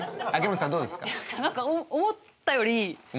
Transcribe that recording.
なんか思ったより。